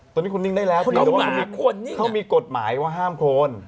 ตอนนี้คุณนิ่งได้แล้วแต่ว่าเขามีกฎหมายว่าห้ามโคน